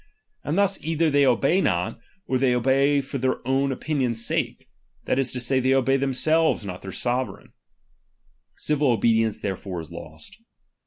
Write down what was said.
And thus either they obey not, or they obey for their own opinion's sake ; that is to say, they obey themselves, not their sovereign ; civil obedience therefore is lost.